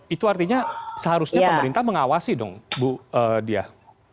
itu artinya seharusnya pemerintah mengawasi dong bu diah